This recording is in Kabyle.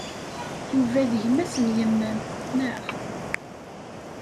Yuba d gma-s n yemma-m, naɣ?